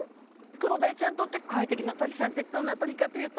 クロダイちゃんにとって怖い敵の鳥さんってどんな鳥かというと。